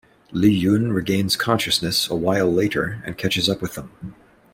Li Yun regains consciousness a while later and catches up with them.